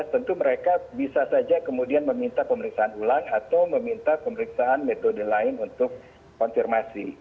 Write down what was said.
tentu mereka bisa saja kemudian meminta pemeriksaan ulang atau meminta pemeriksaan metode lain untuk konfirmasi